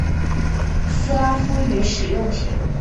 斯拉夫语使用体。